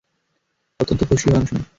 অত্যন্ত খুশি হলাম শুনে!